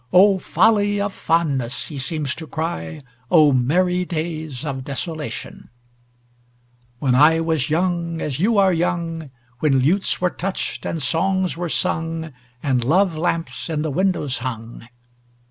"Oh folly of fondness," he seems to cry, "oh merry days of desolation" "When I was young as you are young, When lutes were touched and songs were sung, And love lamps in the windows hung."